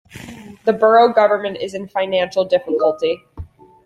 The borough government is in financial difficulty.